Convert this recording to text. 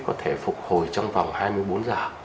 có thể phục hồi trong vòng hai mươi bốn giờ